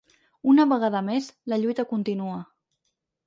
Una vegada més, la lluita continua!